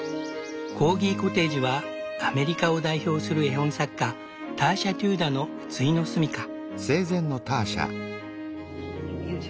コーギコテージはアメリカを代表する絵本作家ターシャ・テューダーのついの住みか。